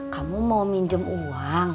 kamu mau minjem uang